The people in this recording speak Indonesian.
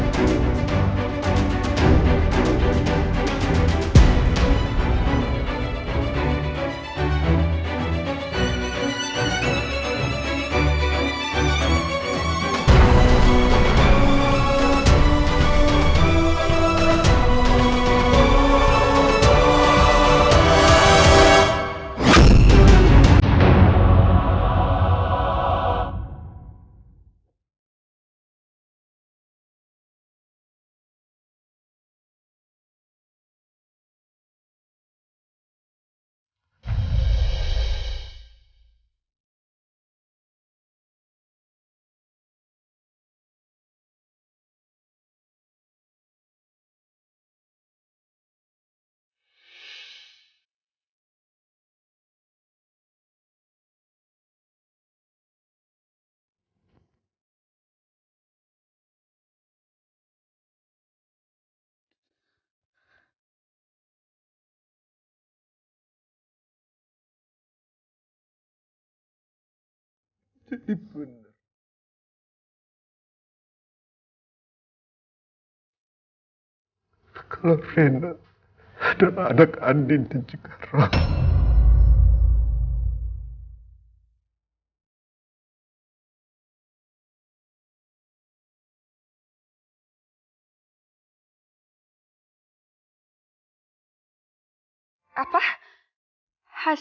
semua sudah tidak ada gunanya